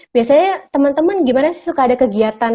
biasanya temen temen gimana sih suka ada kegiatan